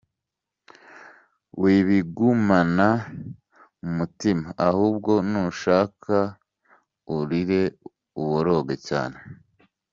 Wibigumana mu mutima, ahubwo nushaka urire uboroge cyane.